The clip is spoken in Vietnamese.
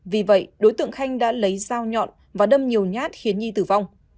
vì vậy đối tượng khanh đã lấy dao nhọn và đâm nhiều nhát khiến nhi tử vong